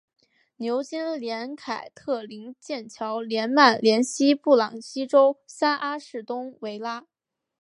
牛津联凯特灵剑桥联曼联西布朗锡周三阿士东维拉